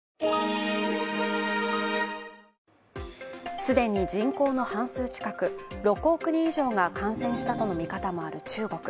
既に人口の半数近く６億人以上が感染したとの見方もある中国。